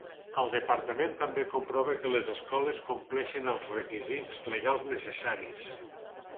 El departament també comprova que les escoles compleixin els requisits legals necessaris.